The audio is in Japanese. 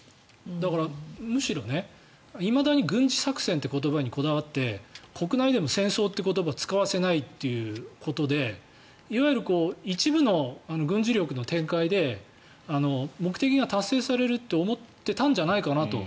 だからむしろいまだに軍事作戦という言葉にこだわって国内でも戦争という言葉を使わせないということでいわゆる一部の軍事力の展開で目的が達成されると思っていたんじゃないかと。